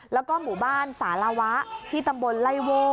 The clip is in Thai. แล้วก็หมู่บ้านสารวะที่ตำบลไล่โว่